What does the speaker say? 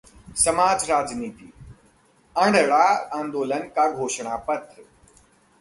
समाज-राजनीति: अण्णा आंदोलन का घोषणा-पत्र